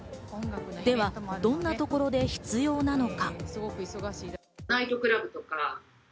では、どんなところで必要なのか？